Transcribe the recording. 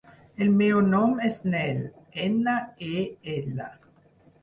El meu nom és Nel: ena, e, ela.